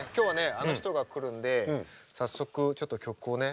あの人が来るんで早速ちょっと曲をね。